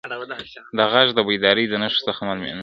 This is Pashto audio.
دا غږ د بیدارۍ د نښو څخه معلومېده.